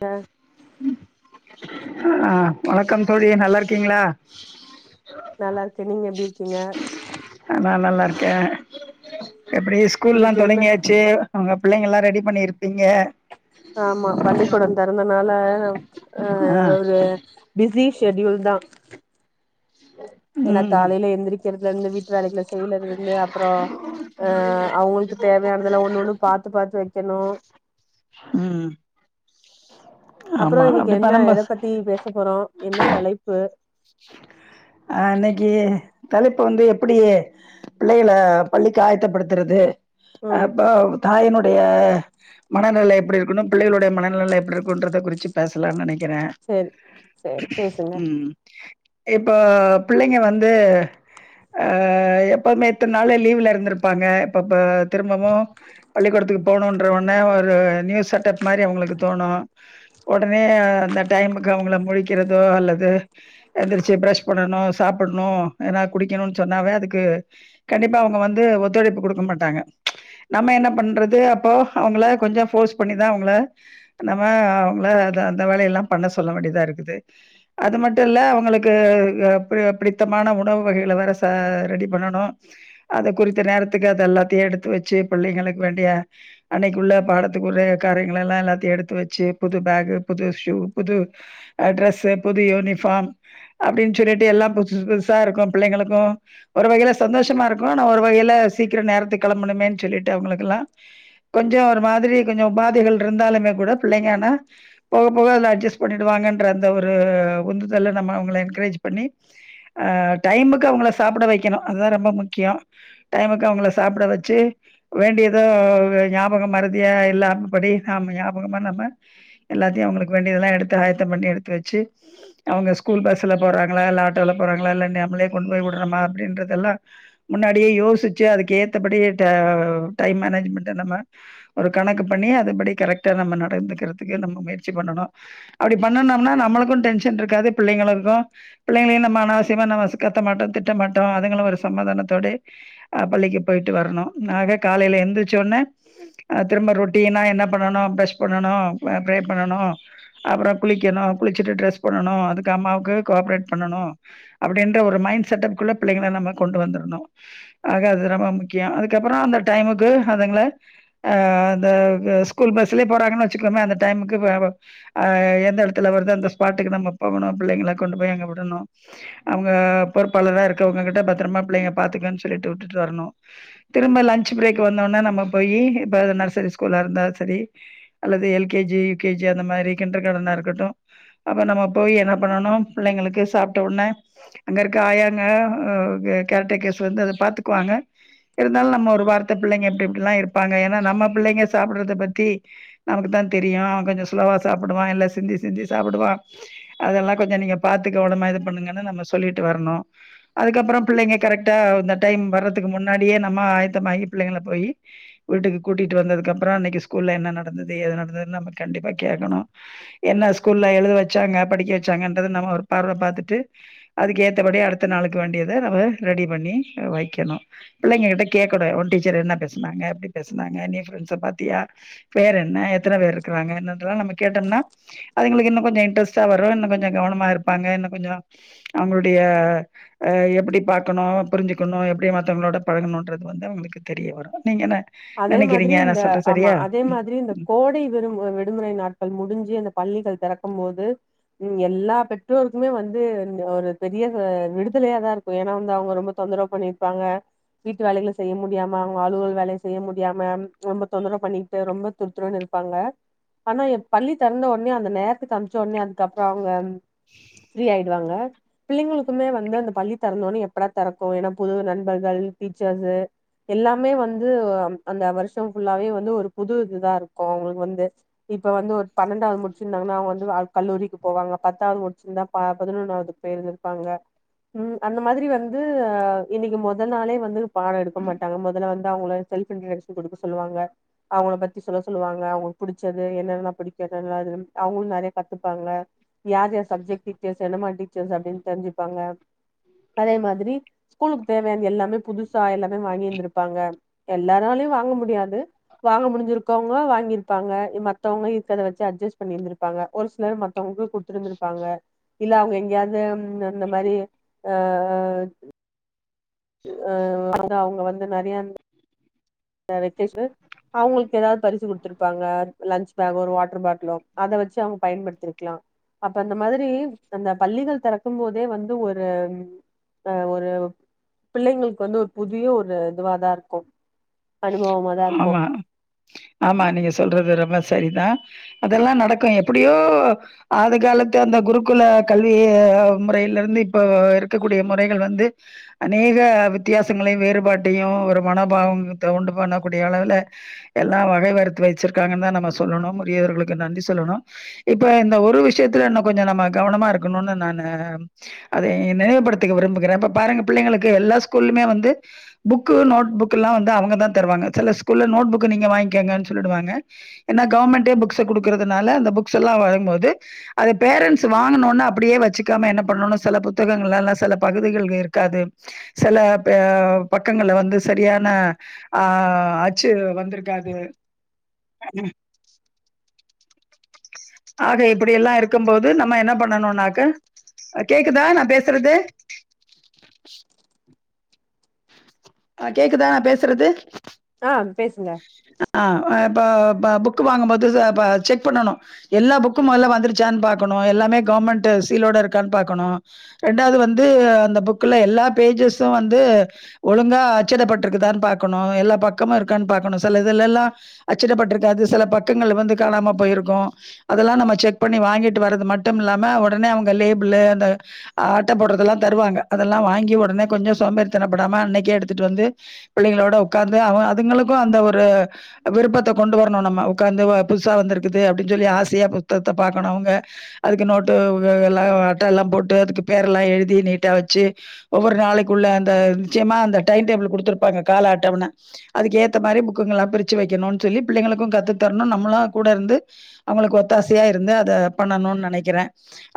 அ அ வணக்கம் தோழி நல்லா இருக்கீங்ளா நல்லா இருக்கே நீங்க எப்டி இருக்கீங்க க்க எப்டி ஸ்கூல்லா இன்னைக்கு என்ன தொடங்கியாச்சு உங்க பிள்ளைங்கல்லா ரெடி பண்ணிருப்பீங்க ஆமா பள்ளிக்கூடம் தெறந்தனால பயணம் அ ஆ ஒரு பிஸி ஷெடியூல் தா ஏன்னா ம் காலைல எந்திரிக்கிறது லருந்து வீட்டு வேலைகள செய்றல இருந்து அப்றோ அ அவங்களுக்கு தேவையானதெல்லா ஒண்ணு ஒண்ணு பாத்து பாத்து வை க்கனு ம் அப்புறோ ஆமா இன்னிக்கு அப்டி என்ன பண்ணம்ப எத பத்தி பேச போறோ என்னா தலைப்பு ஆ இன்னிக்கி தலைப்பு வந்து எப்புடி பிள்ளைகள பள்ளிக்கு ஆயத்தப்படுத்தறது ம் அப்போ தாயினோடு ளுடைய மனநிலை எப்பிடி இருக்கணு பிள்ளைகளுடைய மனநிலலா எப்டிருக்குன்றத குறிச்சி பேசலான் நெனை கிறே சேரி சேரி பேசுங்க ம் எப் போ பிள்ளைங்க வந்து ஆ எப்போமே இத்தன் நாளு லீவுல இருந்திருப்பாங்க பப்பா திரும்பவு பள்ளிக்கூடத்துக்கு போணோன்ற ஒன்னே ஒரு நியூ செட்டப் மாரி அவுங்களுக்கு தோணோ ஒட மே ஆ அந்த டைமுக்கு அவுங்கள முழிக்கிறதோ அல்லது எந்திரிச்சு பிரஷ் கொண்ணுனோ சாப்புட்னோ ஏனா குடிக்குணுன் சொன்னாவே அதுக்கு கண்டிப்பா அவுங்க வந்து ஒத்தொழைப்பு குடுக்க மாட்டாங்க ச்ச நம்ம என்னா பண்றது அப்போ அவுங்களா கொஞ்ச ஃபோர்ஸ் பண்ணிதா அவுங்களா நம்மா அவுங்ளா அத அந்த வேலையெல்லா பண்ண சொல்ல வேண்டியதா இருக்குது அது மட்டு இல்ல அவுங்குளுக்கு இல்லா அப்பிடிய பிடித்தமான உணவு வகைகள வேற ச ரெடி பண்ணணோ அத குறித்த நேரத்துக்கு அத எல்லாத்தியு எடுத்து வெச்சு புள்ளங்களுக்கு வேண்டிய அன்னைக்குள்ள பாடத்துக்குற கரைங்களெல்லா எல்லாத்தியு எடுத்து வெச்சு புது பேக்கு புது ஷூ புது ஆ ட்ரெஸ்சு புது யூனிஃபார்ம் அப்டின் [unintelligible] எல்லா புதுஸ் புதுஸ்சாருக்கோ பிள்ளைங்களுக்கோ ஒரு வகையில சந்தோஷமா இருக்கோ ஆனா ஒரு வகையில சீக்கிரோ நேரத்துக் கெளம்புணுமேன் சொல்லிட்டு அவுங்குளுக்கெல்லா கொஞ்சோ ஒரு மாதிரி கொஞ்சோ உபாதைகள் ரிந்தாலுமே கூட பிள்ளைங்க ஆனா போக போக அதுல அட்ஜஸ்ட் பண்ணிடுவாங்கன்ற அந்த ஒரு உந்துதல நம்ம அவுங்கள என்கரேஜ் பண்ணி ஆ டைமுக்கு அவுங்கள சாப்புட வைக்கணு அதுதா ரொம்ப முக்கியோ டைமுக்கு அவுங்கள சாப்பிட வெச்சு வேண்டியதோ வ ஞாபக மறுதியா இல்லாமபடி ஆமா ஞாபகமா நம்ம எல்லாத்தியு அவுங்குளுக்கு வேண்டியதெல்லா எடுத்து ஆயத்தம் பண்ணி எடுத்து வெச்சு அவுங்க ஸ்கூல் பஸ்சுல போறாங்களா இல்ல ஆட்டோல போறாங்களா இல்ல நம்மளே கொண்டு போயி உட்ற மாப்பி அப்டின்றதெல்லாம் முன்னாடியே யோசுச்சு அதுக்கு ஏத்தபடி ட டைம்மேனேஜ்மெண்ட நம்ம ஒரு கணக்கு பண்ணி அதுபடி கரெக்டா நம்ம நடந்துகிறதுக்கு நம்ம முயற்சி பண்ணணும் அப்டி பண்ணுனோம்னா நம்மளுக்கும் டென்ஷன் இருக்காது பிள்ளைங்களுக்கும் பிள்ளைங்களையு நம்ம அனாவிசியமா நம்ம ச கத்த மாட்டோ திட்ட மாட்டோ அதுங்களோ ஒரு சமாதானத்தோடே அ பள்ளிக்கு போயிட்டு வரணோ நாக காலைல எந்துருச்சோனே அ திரும்ப ரொட்டினா என்ன பண்ணனு பிரஷ் பண்ணனு வ ப்ரே பண்ணனு அப்றொ குளிக்கணோ குளிச்சுட்டு ட்ரெஸ் பண்ணணு அதுக் அம்மாவுக்கு கோஆப்பரேட் பண்ணனு அப்பிடின்ற ஒரு மைண்ட் செட்டப்குள்ள பிள்ளைங்கள நம்ம கொண்டு வந்துருணு ஆக அது ரொம்ப முக்கியோ அதுக்கப்பறோ அந்த டைமுக்கு அதுங்ள ஆ த வ ஸ்கூல் பஸ்லயே போறாங்கனு வச்சுக்கமே அந்த டைமுக்கு வே வ ஆ எந்த எடத்துல வருதோ அந்த ஸ்பாட்டுக்கு நம்ம போகணு பிள்ளைங்களா கொண்டு போய் அங்க விடணு அவுங்க பொறுப்பாளரா இருக்கவுங்ககிட்ட பத்ரமா பிள்ளைங்க பாத்துங்க சொல்லிட்டு விட்டுட்டு வரணு திரும்ப லஞ்ச் ப்ரேக் வந்தோனா நம்ம போயி இப்ப நர்சரி ஸ்கூலா இருந்தாலு சரி அல்லது L K G U K G அந்த மாதிரி கிண்டர் கார்டனா இருக்கட்டு அப்ப நம்ம போயி என்ன பண்ணனு பிள்ளைங்களுக்கு சாப்ட்ட ஒடனே அங்க இருக்க ஆயாங்க கேர் டேக்கர்ஸ் வந்து அத பாத்துக்குவாங்க இருந்தாலு நம்ம ஒரு வார்த்த பிள்ளைங்க எப்டிஎப்டிலா இருப்பாங்க ஏனா நம்ம பிள்ளைங்க சாப்புட்றத பத்தி நமக்கு தா தெரியு அவ கொஞ்சோ ஸ்லோவா சாப்புடுவா இல்ல சிந்தி சிந்தி சாப்புடுவா அதெல்லா கொஞ்ச நீங்க பாத்து கவனமா இது பண்ணுங்கன்னு நம்ம சொல்லிட்டு வரணு அதுக்கப்றம் பிள்ளைங்க கரெக்டா அந்த டைம் வர்றதுக்கு முன்னாடியே நம்ம ஆயத்தமாகி பிள்ளைங்கள போயி வீட்டுக்கு கூட்டிட்டு வந்ததுக்கப்பற அன்னக்கி ஸ்கூல்ல என்ன நடந்துது ஏது நடந்துது நம்ம கண்டிப்பா கேக்கணு என்னா ஸ்கூல்ல எழுத வச்சாங்க படிக்க வச்சாங்கன்றத நம்ம ஒரு பார்வ பாத்துட்டு அதுக்கு ஏத்தபடி அடுத்த நாளக்கு வேண்டியத நம்ப ரெடி பண்ணி வைக்கணு பிள்ளைங்ககிட்ட கேக்கணு ஒன் டீச்சர் என்னா பேசுனாங்க எப்டி பேசுனாங்க நீ ஃப்ரண்ச பாத்தியா பேர் என்ன எத்தன பேர்ருக்குறாங்க என்னதெல்லா நம்ம கேட்டொன்னா அதுங்குளுக்கு இன்னு கொஞ்சு இன்ட்ரெஸ்டா வரு இன்னு கொஞ்சு கவனமா இருப் பாங்க இன்ன கொஞ்சு அவுங்களுட்ய எப்படி பாக்கணு புரிஞ்சுக்குணு எப்டி மத்தவங்களோட பழகணுன்றது வந்து அவுங்களுக்கு தெரிய வரு நீங்க என்ன அதே மாதுரி நெனைக்கிறீங்க நா இந்த சொல்றது ஆமா சரியா அதே ம் மாதிரி இந்த ம் கோடை விடும் விடுமுறை நாட்கள் முடிஞ்சு அந்த பள்ளிகள் தெறக்கும் மோது ம் எல்லா பெற்றோருக்குமே வந்து இ ஒரு பெரிய ச விடுதலயா தா இருக்கும் ஏன்னா வந்து அவுங்க ரொம்ப தொந்தரவு பண்ணிருப்பாங்க வீட்டு வேலைக்ள செய்ய முடியாம அவுங்க அலுவல் வேலை செய் ய்ய முடியாம ரொம்ப தொந்தரவ் பண்ணிட்டு ரொம்ப துர்த்துருன்னு இருப்பாங்க ஆனா எப் பள்ளி தெறந்தவோனே அந்த நேர்த்துக்கு அம்ச்சோனே அதுக்கப்பொ அவுங்க ஃப்ரீ ஆயிடுவாங்க பிள்ளைங்களுக்குமே வந்து அந்த பள்ளி தெறந்தோனே எப்படா தெறக்கு ஏன்னா புது நண்பர்கள் டீச்சர்ஸு எல்லாமே வந் து ம் அந்த வருஷோ ஃபுல்லாவே வந்து ஒரு புது இதுதா இருக்கு அவுங்குளுக்கு வந்து இப்ப வந்து ஒரு பன்னண்டாவ் முடிச்சிருந்தாங்கன்னா அவுங்க வந்து வேற் கல்லூரிக்கு போவாங்க பத்தாவது முடிச்சிருந்தா பதனொன்னாவது பேய்ர்ந்துருப்பாங்க ம் அந்த மாதுரி வந்து இன்னிக்கு மொத நாளே வந்து பாடோ எடுக்க மாட்டாங்க மொத நாளு அவுங்ள செல்ஃப் இன்றோடஷ்ன் குடுக்க சொல்லுவாங்க அவுங்கள பத்தி சொல்ல சொல்லுவாங்க அவுங்குளுக்கு புடிச்சது என்னன்னலா பிடிக்காது [unintelligible] அவுங்குளு நெறைய கத்துப்பாங்க யார் யார் சப்ஜெக் டீச்சர்ஸ் என்னம் மாரி டீச்சர்ஸ் அப்டின் தெரிஞ்சுப்பாங்க அதே மாதுரி ஸ்கூலுக்கு தேவ்யான்து எல்லாமே புதுசு சா எல்லாமே வாங்கி இருந்திருப்பாங்க எல்லாராலயும் வாங்க முடியாது வாங்க முடிஞ்சிருக்கவங்க வாங்கிருப்பாங்க மத்தவங்க இருக்கத வச்சு அட்ஜஸ் பண்ணிருந்துருப்பாங்க ஒரு சிலர் மத்தவுங்க்கு குடுத்துருந்துருப்பாங்க இல்ல அவுங்க எங்கியாது ந் இந்த மாரி அ அ அத அவுங்க வந்து து நறையந் [unintelligible] அவுங்குளுக்கு எதாவ்து பரிசு குடுத்துருப்பாங்க லன்ச் பேக் ஒரு வாட்ரு பாட்லோ அத வச்சு அவுங்க பயன்படுத்திருக்லா அப்ப அந்த மாதுரி அந்த பள்ளிகள் தெறக்கும்போதே வந்து ஒரு அ ஒரு பிள்ளைங்ளுக்கு வந்து ஒரு புதிய ஒரு இதுவாதா இருக்கு அனுபவமாதா இருக்கு ஆமா ஆமா நீங்க சொல்றது ரொம்ப சரி தா அதெல்லா நடக்கு எப்புடியோ ஆதிகாலத்து அந்த குருகுல கல்வி முறையில இருந்து இப்போ இருக்கக்கூடிய முறைகள் வந்து அநேக வித்யாசங்களையு வேறுபாட்டையு ஒரு மனோபாவம் தவுன்டு பண்ணக்கூடிய அளவுல எல்லா வகை வர்த்து வச்சிர்க்காங்கன்னு தா நம்ம சொல்லணு முதியோர்களுக்கு நன்றி சொல்லனு இப்ப இந்த ஒரு விஷ்யத்துல இன்னு கொஞ்சோ நம்ம கவனமா இருக்கனுன்னு நானு அத நினைவு படுத்திக்க விரும்புகிறன் ப்ப பாருங்க பிள்ளைங்களுக்கு எல்ல ஸ்கூல் மே வந்து புக்கு நோட் புக்கு லா வந்து அவங்க த தருவாங்க சில ஸ்கூல்ல நோட் புக்கு நீங்க வாங்கோங்கனு சொல்லிடுவாங்க ஏன்னா கவுமெண்டே புக்ஸு குடுக்குறதுனால அந்த புக்ஸ்லா வரும்போது அது பேரன்ஸ் வாங்குனோன்ன அப்புடியே வச்சிக்காம என்ன பண்ணுன்னா செல புத்தகங்கள்லா செல பகுதிகள்க இருக்காது செல பெ பக்கங்கள்ல வந்து சரியான ஆ அச்சு வந்துருக்காது அ ம் ஆக இப்புடி எல்லா இருக்கும்போது நம்ம என்ன பண்ணணுனாக்க கேக்குதா நா பேசுறது அ கேக்குதா நா பேசுறது அ பேசுங்க அ அ இப்ப ப புக்கு வாங்கும்போது ச ப செக் பண்ணணு எல்லா புக்கும் மொதல்ல வந்துருச்சான்னு பாக்கணு எல்லாமே கவ்மெண்டு சீலோடருக்கான் பாக்கணு ரெண்டாவது வந்து அந்த புக்குல எல்லா பேஜஸு வந்து ஒலுங்கா அச்சதபட்ருக்குதா பாக்கணு எல்லா பக்கமு இருக்கான் பாக்கணு செல இதுலெல்லா அச்சிடப்பட்ருக்காது செல பக்கங்கள் வந்து காணாம போயிருக்கு அதெல்லா நம்ம செக் பண்ணி வாங்கிட்டு வரது மட்டும் இல்லாம ஒடனே அவுங்க லேபிள்லு அந்த அட்ட போட்றதெல்லா தருவாங்க அதல்லா வாங்கி ஒடனே கொஞ்சு சோம்பேறித்தனப்படாம அன்னைக் கே எடுத்துட்டு வந்து பிள்ளைங்களோட ஒக்காந்து அவ அதுங்களுக்கு அந்த ஒரு விருப்பத்த கொண்டு வரணு நம்ம ஒக்காந்து வ புதுசா வந்துருக்குது அப்டின் சொல்லி ஆசையா புஸ்தகத்த பாக்கணு அவுங்க அதுக்கு நோட்டு வ எல்லா அட்டலா போட்டு அதுக்கு பேர்ல்லா எழுதி நீட்டா வெச்சு ஒவ்வொரு நாளைக்குள்ள அந்த ச்சயமா அந்த டைன்டேபுள் குடுத்துருப்பாங்க கால அட்டவண அதுக்கு ஏத்த மாறி புக்குங்குலா பிரிச்சி வைக்கணு சொல்லி பிள்ளைங்களுக்கு கத்து தர்ணு நம்மளு கூடருந்து அவுங்களுக்கு ஒத்தாசயா இருந்து அத பண்ணனுன் நனைக்கிற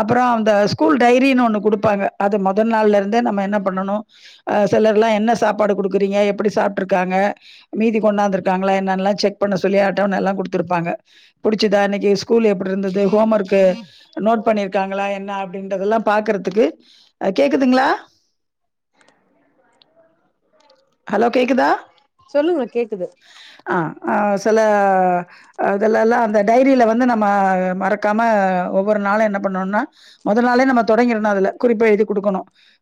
அப்பறோ அந்த ஸ்கூல் டைரினு ஒன்னு குடுப்பாங்க அத மொத நாள்லருந்தே நம்ம என்ன பண்ணனு அ செலர்லா என்ன சாப்பாடு குடுக்குறீங்க எப்புடி சாப்ட்ருக்காங்க மீதி கொண்டாந்துருக்காங்ளா என்னான்லா செக் பண்ண சொல்லி அட்டவண ல்லா குடுத்துருப்பாங்க புடிச்சுதா இன்னைக்கு ஸ்கூலு எப்புட்ருந்துது ஹோம் ஒர்க்கு நோட் பண்ணியிருக்காங்களா என்ன அப்படின்றதெல்லா பாக்குற்துக்கு அ கேக்குதுங்களா ஹலோ கேக்குதா சொல்லுங்க கேக்குது அ சில அ அதுல ல்லா அந்த டைரியில வந்து நம்ம அ மறக்காம அ ஒவ்வொரு நாளு என்ன பண்ணுன்னா மொத நாளே நம்ம தொடங்கிருணு அதுல குறிப்ப எழுதி குடுக்கணு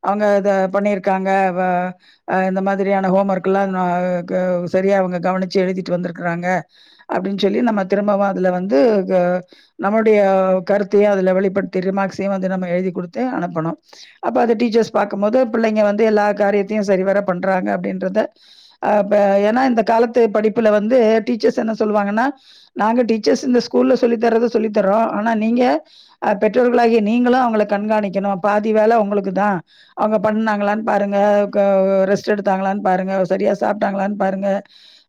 அவங்க இத பண்ணிருக்காங்க வ இந்த மாதிரியான ஹோம் ஒர்க்குலா அ க சரியா அவங்க கவனிச்சி எழுதிட்டு வந்திருக்குறாங்க அப்டின் சொல்லி நம்ம திரும்பவு அதுல வந்து க நம்முடைய கருத்தையு அதில் வெளிப்படுத்தி ரிமார்க்ஸையு வந்து நம்ம எழுதி குடுத்து அனுப்பனு அப்போ அத டீச்சஸ் பாக்குபோது பிள்ளைங்க வந்து எல்லா காரியத்தையு சரி வர பண்றங்க அப்படின்றத அ ம் ஏனா இந்த காலத்து படிப்புல வந்து டீசர்ஸ் என்ன சொல்லுவாங்கனா நாங்க டீச்சர்ஸ் இந்த ஸ்கூல்ல சொல்லி தர்த சொல்லித்தரோ ஆனா நீங்க அ பெற்றோர்களாகிய நீங்களு அவங்கள கண்காணிக்கணு பாதி வேல உங்களுக்கு தா அவங்க பண்ணாங்களானு பாருங்க க ஓ ரெஸ் ஸ் எடுத்தாங்களான் பாருங்க செரியா சாப்பிட்டாங்களான் பாருங்க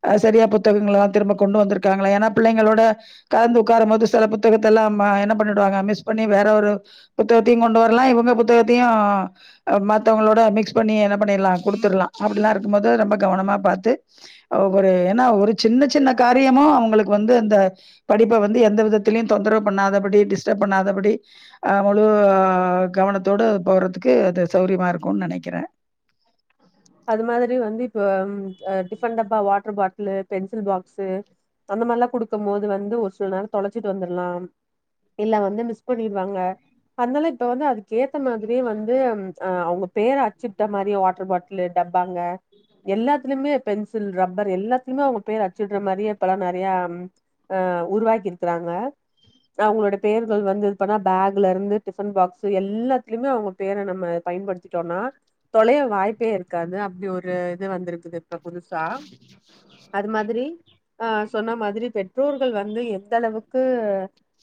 அ செரியா புத்தகங்கள எல்லா திரும்ப கொண்டு வந்திருக்காங்களா ஏன்னா பிள்ளைங்களோட கலந்து உட்காரும் போது சில புத்தகத்த எல்லா ம் என்ன பண்ணிடுவாங்க மிஸ் பண்ணி வேற ஒரு புத்தகத்தையு கொண்டு வரலா இவங்க புத்தகத்தையு அ மத்தவங்களோட மிக்ஸ் பண்ணி என்ன பண்ணிடலா குடுத்துற்லா அப்டிலா இருக்கும் போது ரொம்ப கவனமா பாத்து அ ஒரு ஏன்னா ஒரு சின்ன சின்ன காரியமு அவுங்களுக்கு வந்து அந்த படிப்ப வந்து எந்த விதத்திலயு தொந்தரவு பண்ணாதபடி டிஸ்டப் பண்ணாதபடி அ முழு கவனத்தோடு போறதுக்கு அது சௌரியமா இருக்குனு நெனைக்கிறே அது மாதிரி வந்து இப்ப ம் அ டிஃபன் டப்பா வாட்டர் பாட்லு பென்சில் பாக்ஸு அந்த மாரி லா குடுக்கும் போது வந்து ஒரு சில நேர தொலச்சிட் வந்துர்லா இல்ல வந்து மிஸ் பண்ணிடுவாங்க அத்னால இப்ப வந்து அதுக் ஏத்த மாதிரியே வந்து ம் அ அவங்க பேர அச்சுட்ட மாரி வாட்ரு பாட்லு லு டப்பாங்க எல்லாத்துயுமே பென்சில் ரப்பர் எல்லாத்துலிமே அவுங்க பேரு அச்சுட்ற மாரியே இப்பல்லா நறிய அ ம் அ உருவாக்கி இருக்கிறாங்க அவங்களோட பேர்கள் வந்து இத் பண்ணா பேக்ல இருந்து டிபன் பாக்ஸ் எல்லாத்லுமே அவுங்க பேர நம்ம பயன்படுத்திட்டோனா தொலய வாய்ப்பே இரு க்காது அப்டி ஒரு இது வந்திருக்குது இப்ப புதுசா அது மாதிரி அ சொன்ன மாதிரி பெற்றோர்கள் வந்து எந்த அளவுக்கு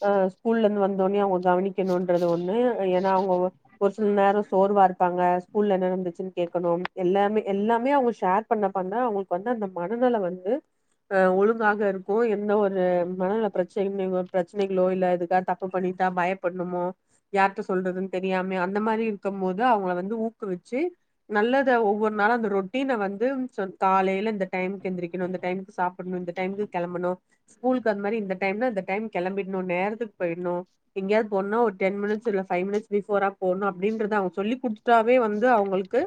அ ஸ்கூல்ல இந்து வந்தோன்ய அவுங்ள கவனிக் னோன்றது ஒண்ணு ஏன்னா அவுங்க ஒரு சில் நேரோ சோர்வா இருப்பாங்க ஸ்கூல்ல என்ன நன்துச்சு கேக்கணும் எல்லாமே எல்லாமே அவங்க ஷேர் பண்ண பண்ண அவங்களுக்கு வந்து அந்த மனநில வந்து அ ஒழுங்காக இருக்கு எந்த ஒரு மனநில பிரச்சனை பிரச்சனைகளோ இல்ல இதுக்காக தப்பு பண்ணி தா பயபடணுமோ யார்ட்ட சொல்றதுன்னு தெரியாம அந்த மாரி இருக்கம் போது அவங்கள வந்து ஊக்குவிச்சு நல்ல ஒவ்வொரு நாளு அந்த ரொட்டீன வந்து சொ காலையில இந்த டைம்க்கு எந்திரிக்கணு இந்த டைம்க்கு சாப்பிடணு இந்த டைம்க்கு கெளம்பணு ஸ்கூல் தகுந்த மாரி இந்த டைம்னா இந்த டைம்க்கு கெளம்பிர்ணு நேரத்துக்கு போய்டணு எங்கயாது போணுனா ஒரு டென் மினிட்ஸ் இல்ல ஃபைவ் மினிட்ஸ் பிஃபோரா போகணு அப்டின்றத அவுங்க சொல்லி குடுத்துட்டாவே வந்து அவங்களுக்கு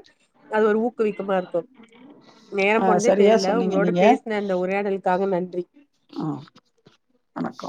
அது ஒரு ஊக்குவிக்கமா இருக்கு, நேரம் அ போனதே சரியா தெரில சொன்னீங்க உங்களோட நீங்க. பேசின அந்த உரையாடலுக்காக நன்றி. ஆ வணக்கம்.